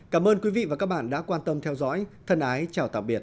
cảm ơn quý vị và các bạn đã quan tâm theo dõi thân ái chào tạm biệt